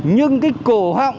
nhưng cái cổ họng